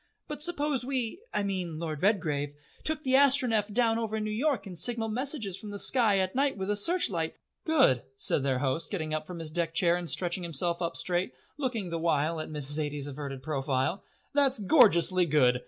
But suppose we I mean Lord Redgrave took the Astronef down over New York and signalled messages from the sky at night with a searchlight " "Good," said their host, getting up from his deck chair and stretching himself up straight, looking the while at Miss Zaidie's averted profile. "That's gorgeously good!